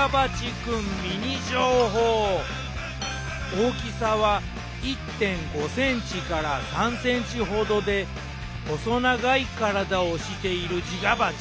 大きさは１．５ｃｍから３ｃｍほどで細長い体をしているジガバチ。